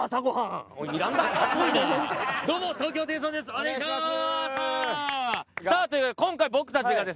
お願いします！